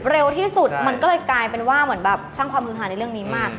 เร็วที่สุดมันก็เลยกลายเป็นว่าเหมือนแบบสร้างความฮือหาในเรื่องนี้มาก